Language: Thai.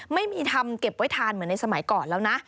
ไม่มีทำเก็บไว้ทานเหมือนในสมัยก่อนแล้วนะ